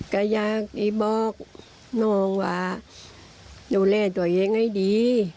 ก็อยากบอกน้องว่าดูแลตัวเองให้ดี